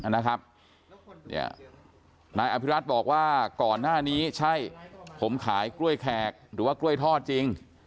นายอภิรัตบอกว่าก่อนหน้านี้ใช่ผมขายกล้วยแขกหรือว่ากล้วยทอดจริง